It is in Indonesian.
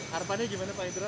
harapannya gimana pak indra